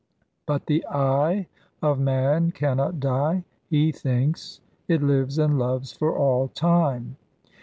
But the 'I' of man cannot die, he thinks; it lives and loves for all time.